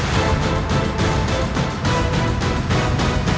lakukan hukuman gantung